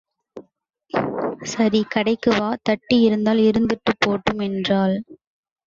சரி கடைக்கு வா... தட்டி இருந்தால் இருந்துட்டுப் போட்டும்... என்றாள்.